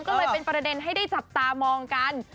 ก็เลยเป็นประเด็นให้ได้จับตามองกัน